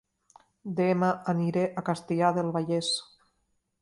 Dema aniré a Castellar del Vallès